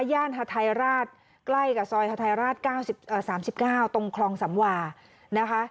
ย่านหาทายราชใกล้กับซอยหาทายราชเก้าสิบเอ่อสามสิบเก้าตรงคลองสำวานะคะ